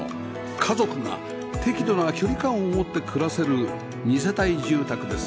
家族が適度な距離感を持って暮らせる二世帯住宅です